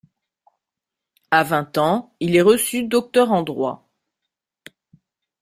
À vingt ans, il est reçu docteur en droit.